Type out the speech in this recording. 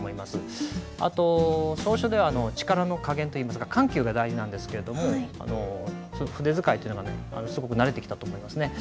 あと草書では力の加減緩急が大事なんですけれども筆使いというのがすごく慣れてきたと思いますね。